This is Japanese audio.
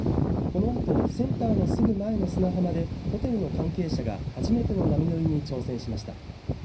このあとセンターのすぐ前の砂浜でホテルの関係者が初めての波乗りに挑戦しました。